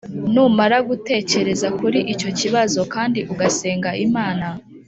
Numara gutekereza kuri icyo kibazo kandi ugasenga Imana